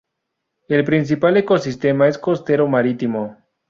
El principal ecosistema es costero marítimo.